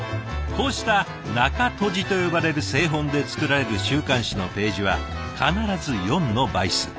こうした「中とじ」と呼ばれる製本で作られる週刊誌のページは必ず４の倍数。